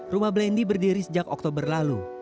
rumah blendy berdiri sejak oktober lalu